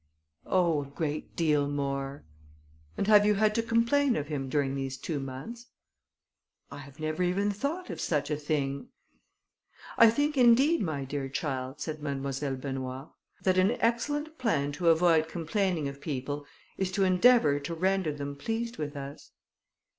"Oh! a great deal more." "And have you had to complain of him during these two months?" "I have never even thought of such a thing." "I think, indeed, my dear child," said Mademoiselle Benoît, "that an excellent plan to avoid complaining of people is to endeavour to render them pleased with us."